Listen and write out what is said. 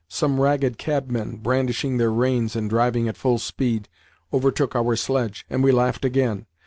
Some ragged cabmen, brandishing their reins and driving at full speed, overtook our sledge, and we laughed again.